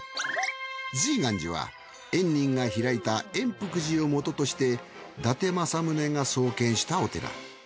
瑞巌寺は円仁が開いた円福寺を元として伊達政宗が創建したお寺。